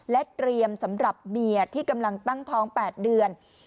และเตรียมสำหรับเมียที่กำลังตั้งท้อง๘เดือน